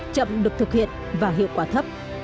chậm được thực hiện và hiệu quả thấp